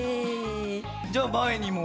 じゃあまえにも。